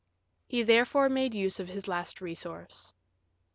He therefore made use of his last resource.